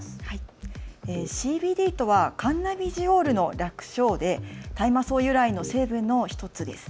ＣＢＤとはカンナビジオールの略称で大麻草由来の成分の１つです。